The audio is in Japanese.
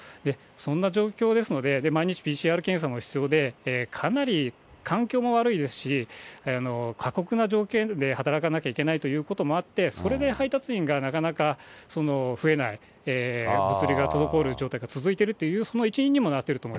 そんな状況ですので、毎日ＰＣＲ検査も必要で、かなり環境も悪いですし、過酷な条件で働かなきゃいけないということもあって、それで配達員がなかなか増えない、物流が滞る状態が続いているという、その一因にもなっていると思